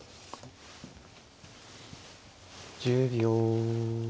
１０秒。